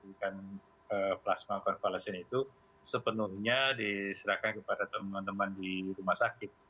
karena siapa yang memiliki pelas plas plasma konvalesan itu sepenuhnya diserahkan kepada teman teman di rumah sakit